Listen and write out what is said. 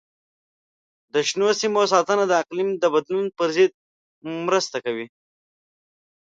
د شنو سیمو ساتنه د اقلیم د بدلون پر ضد مرسته کوي.